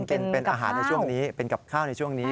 เป็นอาหารในช่วงนี้เป็นกับข้าวในช่วงนี้